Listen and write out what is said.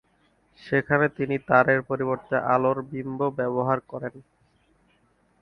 সেখানে তিনি তারের পরিবর্তে আলোর বিম্ব ব্যবহার করেন।